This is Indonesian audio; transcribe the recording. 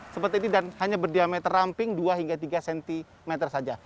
seperti ini dan hanya berdiameter ramping dua hingga tiga cm saja